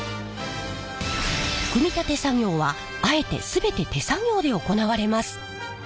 組み立て作業はあえて全て手作業で行われます。